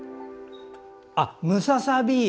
あ、ムササビ。